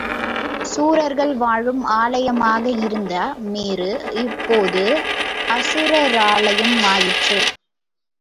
சுரர்கள் வாழும் ஆலயமாக இருந்த மேரு இப்போது அசுராலயமாயிற்று.